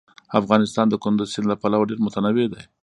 افغانستان د کندز سیند له پلوه ډېر متنوع دی.